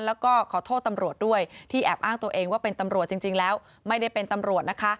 แล้วก็ขอโทษตำรวจด้วยที่แอบอ้างตัวเองว่าเป็นตำรวจจริงแล้วไม่ได้เป็นตำรวจนะคะ